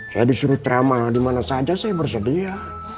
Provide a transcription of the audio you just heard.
saya disuruh trama dimana saja saya bersedia